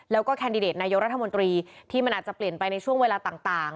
แล้วก็แคนดิเดตนายกรัฐมนตรีที่มันอาจจะเปลี่ยนไปในช่วงเวลาต่าง